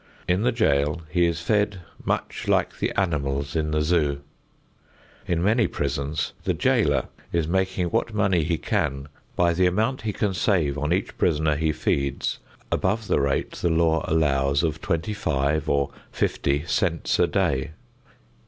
In the jail he is fed much like the animals in the zoo. In many prisons the jailer is making what money he can by the amount he can save on each prisoner he feeds above the rate the law allows of twenty five or fifty cents a day.